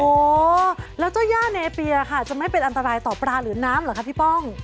โอ้โหแล้วเจ้าย่าเนเปียค่ะจะไม่เป็นอันตรายต่อปลาหรือน้ำเหรอคะพี่ป้อง